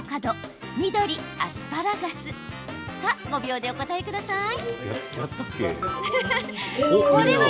５秒でお答えください！